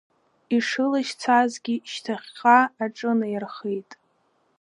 Ишылашьцазгьы, шьҭахьҟа аҿынаирхеит.